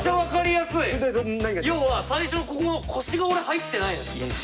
要は最初ここ腰が俺入ってないの。